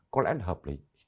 có lẽ là hợp lý